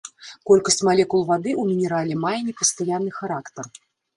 Колькасць малекул вады ў мінерале мае непастаянны характар.